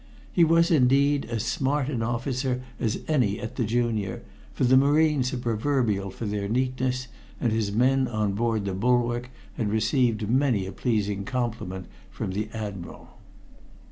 He was, indeed, as smart an officer as any at the Junior, for the Marines are proverbial for their neatness, and his men on board the Bulwark had received many a pleasing compliment from the Admiral.